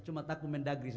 cuma takut mendagri saja